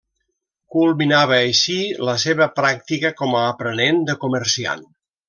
Culminava així la seva pràctica com a aprenent de comerciant.